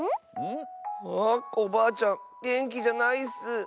あコバアちゃんげんきじゃないッス。